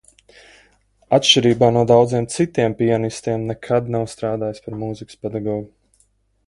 Atšķirībā no daudziem citiem pianistiem, nekad nav strādājis par mūzikas pedagogu.